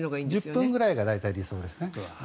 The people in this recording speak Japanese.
１０分くらいが理想ですね。